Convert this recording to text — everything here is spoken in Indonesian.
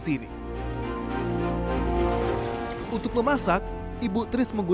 saya gak kisah aku